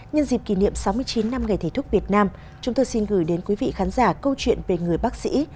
nhân dịp kỷ niệm sáu mươi chín năm ngày thầy thuốc việt nam chúng tôi xin gửi đến quý vị khán giả câu chuyện về người bác sĩ